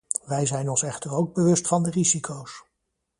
Wij zijn ons echter ook bewust van de risico’s.